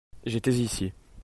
J'étais ici.